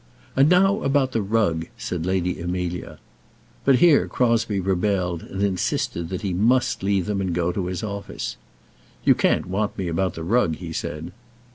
"And now about the rug," said Lady Amelia. But here Crosbie rebelled, and insisted that he must leave them and go to his office. "You can't want me about the rug," he said.